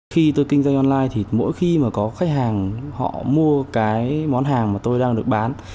khi tôi kinh doanh online thì mỗi khi mà có khách hàng họ mua cái món hàng mà tôi đang được bán